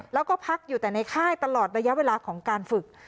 แล้วก็พักอยู่แต่ในค่ายตลอดระยะเวลาของการฝึก